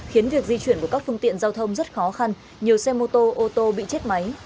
khiến việc di chuyển của các phương tiện giao thông rất khó khăn nhiều xe mô tô ô tô bị chết máy